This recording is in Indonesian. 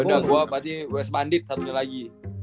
udah gua berarti west bandit satunya lagi